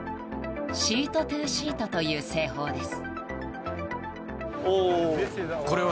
シートｔｏシートという製法です。